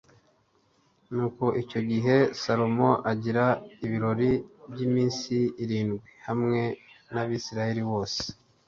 nuko icyo gihe salomo agira ibirori by'iminsi irindwi hamwe n'abisirayeli bose